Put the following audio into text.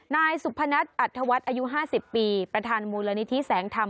นายสุพนัทอัตธวัฏอายุห้าสิบปีประธานมูลนิธิแสงธรรม